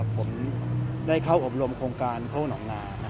ผมได้เข้าอบรมโครงการห้องหนองนา